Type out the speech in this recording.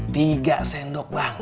tiga sendok bang